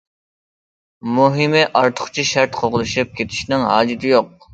مۇھىمى ئارتۇقچە شەرەپ قوغلىشىپ كېتىشنىڭ ھاجىتى يوق.